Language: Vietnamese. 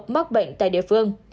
mắc bệnh tại địa phương